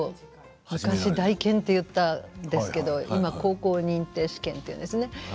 昔大検と言ったんですけど今は高校認定試験というんですね。